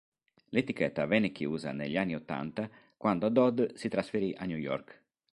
L'etichetta venne chiusa negli anni ottanta quando Dodd si trasferì a New York.